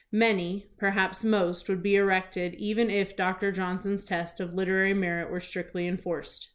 Many, perhaps most, would be erected even if Doctor Johnson's test of literary merit were strictly enforced.